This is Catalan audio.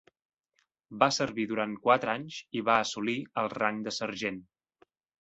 Va servir durant quatre anys i va assolir el rang de sergent.